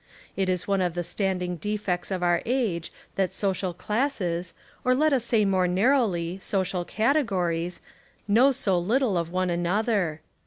It is one of the standing defects of our age that social classes, or let us say more narrowly, social categories, know so little of 10 The Apology of a Professor one another.